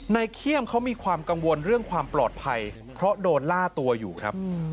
เขี้ยมเขามีความกังวลเรื่องความปลอดภัยเพราะโดนล่าตัวอยู่ครับ